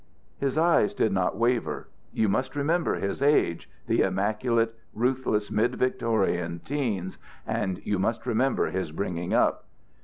"_ His eyes did not waver. You must remember his age, the immaculate, ruthless, mid Victorian 'teens; and you must remember his bringing up.